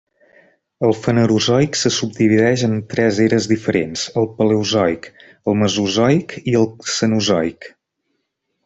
El Fanerozoic se subdivideix en tres eres diferents: el Paleozoic, el Mesozoic i el Cenozoic.